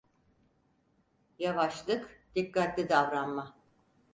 Yavaşlık, dikkatli davranma.